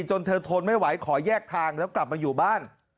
จนเธอทนไม่ไหวขอแยกทางแล้วกลับมาอยู่บ้าน